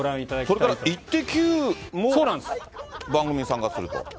それからイッテＱ！も番組に参加すると？